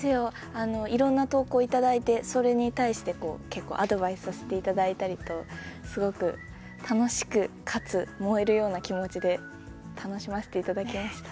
いろんな投稿をいただいてそれに対して結構アドバイスさせていただいたりとすごく楽しくかつ、燃えるような気持ちで楽しませていただきました。